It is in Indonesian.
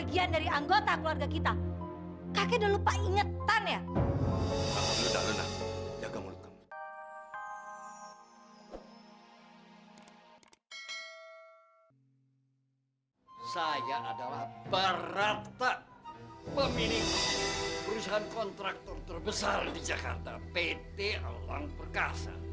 saya adalah berata pemilik perusahaan kontraktor terbesar di jakarta pt alam perkasa